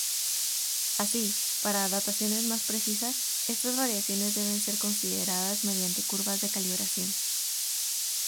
Así, para dataciones más precisas, estas variaciones deben ser consideradas mediante curvas de calibración.